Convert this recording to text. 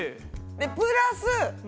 でプラスふ。